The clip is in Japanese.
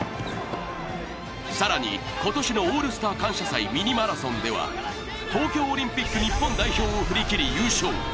更に今年の「オールスター感謝祭」ミニマラソンでは東京オリンピック日本代表を振り切り優勝。